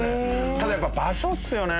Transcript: ただやっぱ場所っすよね。